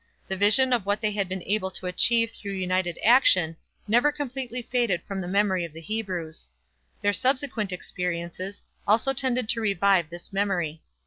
The vision of what they had been able to achieve through united action never completely faded from the memory of the Hebrews. Their subsequent experiences also tended to revive this memory.